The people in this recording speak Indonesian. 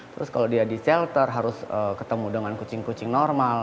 terus kalau dia di shelter harus ketemu dengan kucing kucing normal